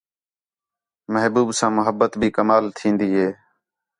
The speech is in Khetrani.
محبوب ساں محبت بھی کمال تھین٘دی ہے